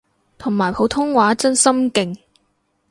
同埋普通話真心勁